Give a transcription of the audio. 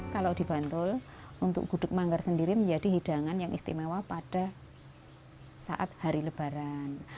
kalau di bantul untuk gudeg manggar sendiri menjadi hidangan yang istimewa pada saat hari lebaran